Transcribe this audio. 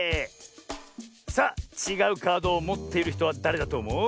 さあちがうカードをもっているひとはだれだとおもう？